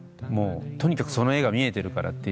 とにかくその絵が見えてるから」